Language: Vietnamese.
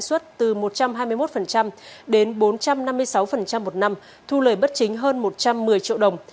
lãi suất từ một trăm hai mươi một đến bốn trăm năm mươi sáu một năm thu lời bất chính hơn một trăm một mươi triệu đồng